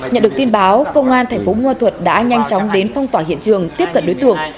nhận được tin báo công an thành phố mưa thuật đã nhanh chóng đến phong tỏa hiện trường tiếp cận đối tượng